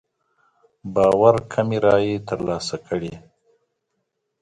باور کمې رايې تر لاسه کړې.